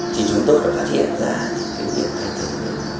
thì chúng tôi đã phát hiện ra những cái niệm thay thế này